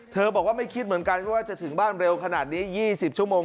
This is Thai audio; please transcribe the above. บอกว่าไม่คิดเหมือนกันว่าจะถึงบ้านเร็วขนาดนี้๒๐ชั่วโมง